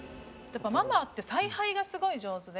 ママって采配がすごい上手で。